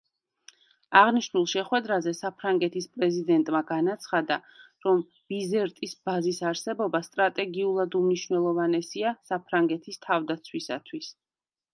აღნიშნულ შეხვედრაზე საფრანგეთის პრეზიდენტმა განაცხადა, რომ ბიზერტის ბაზის არსებობა სტრატეგიულად უმნიშვნელოვანესია საფრანგეთის თავდაცვისათვის.